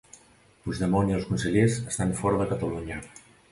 Puigdemont i els consellers estan fora de Catalunya